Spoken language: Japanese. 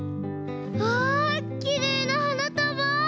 わあきれいなはなたば！